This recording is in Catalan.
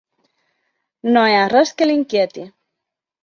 No hi ha res que l’inquieti.